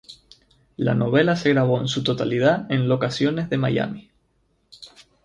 La novela se grabó en su totalidad en locaciones de Miami.